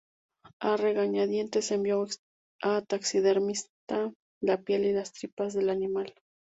A regañadientes envió a un taxidermista la piel y las tripas del animal.